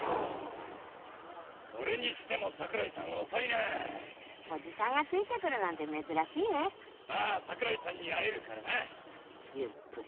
それにしても櫻井さんは遅いおじさんがついてくるなんて、まあ、櫻井さんに会えるからやっぱり。